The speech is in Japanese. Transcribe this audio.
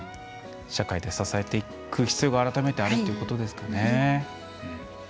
社会で支えていく必要が改めてあるということですかね。